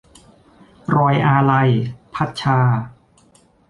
รอยอาลัย - พัดชา